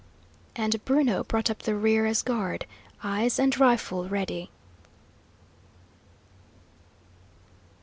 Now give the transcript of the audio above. And Bruno brought up the rear as guard, eyes and rifle ready.